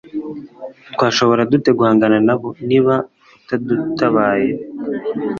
twashobora dute guhangana na bo, niba utadutabaye